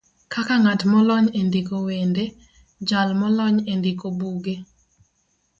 kaka ng'at molony e ndiko wende, jal molony e ndiko buge,